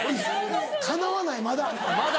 かなわないまだ。